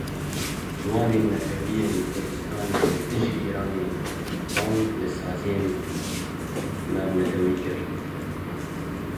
Ciwanên Netewî yên Kurdistanê li dijî Îranê bang li saziyên navnetewî kir.